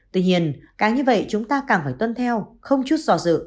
tuy nhiên cái như vậy chúng ta càng phải tuân theo không chút dò dự